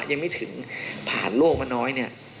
ยังไม่ถึงผ่านโลกมาน้อยเนี่ย